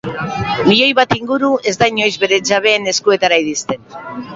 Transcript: Milioi bat inguru ez da inoiz bere jabeen eskuetara iristen.